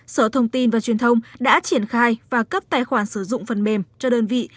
sở thông tin và truyền thông đã triển khai và cấp tài khoản sử dụng phần mềm cho đơn vị